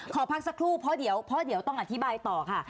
ขอพักสักครู่เพราะเดี๋ยวต้องอธิบายต่อค่ะ